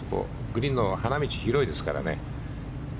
グリーンの花道広いですからね。